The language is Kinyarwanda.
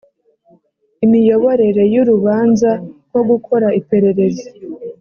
imiyoborere y urubanza nko gukora iperereza